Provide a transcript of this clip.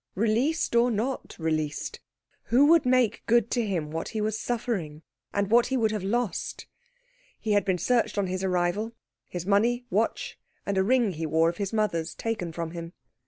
Released or not released, who would make good to him what he was suffering and what he would have lost? He had been searched on his arrival his money, watch, and a ring he wore of his mother's taken from him.